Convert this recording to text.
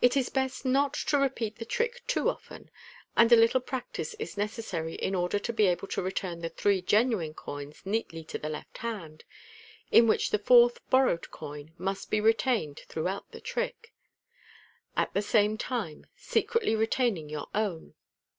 It is best not to repeat the trick too often, and a little practice is necessary in order to be able to return the three genuine coins neatly to the left hand (in which the fourth borrowed coin must be retained throughout the trick), at the same timt jecretly retaining your own.